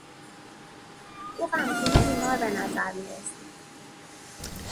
او غمگین و بیمار به نظر میرسید.